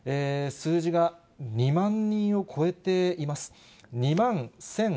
数字が２万人を超えています。